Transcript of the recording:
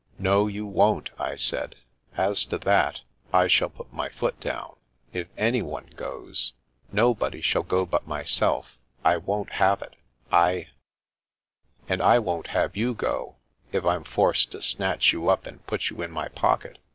No, you won't," I said. " As to that, I shall put my foot down. If anyone goes " Nobody shall go but myself. I won't have it. 99 " And I won't have you go, if I'm forced to snatch you up and put you in my pocket.